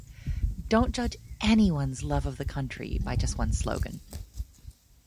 Don't judge anyone's love for the country by just one slogan.